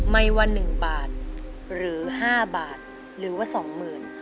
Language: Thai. ไม่ว่า๑บาทหรือ๕บาทหรือว่า๒๐๐๐บาท